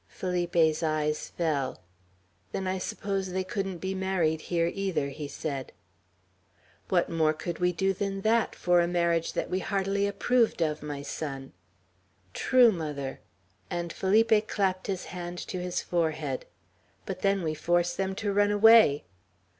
Felipe's eyes fell. "Then I suppose they couldn't be married here, either," he said. "What more could we do than that, for a marriage that we heartily approved of, my son?" "True, mother;" and Felipe clapped his hand to his forehead. "But then we force them to run away!"